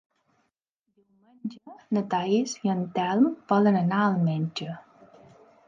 Diumenge na Thaís i en Telm volen anar al metge.